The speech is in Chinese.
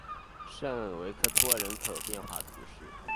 圣维克托人口变化图示